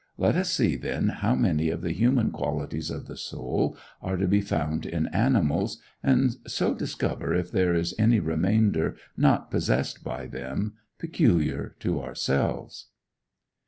Let us see then how many of the human qualities of the soul are to be found in animals, and so discover if there is any remainder not possessed by them, peculiar to ourselves.